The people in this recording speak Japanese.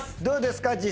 どうですか？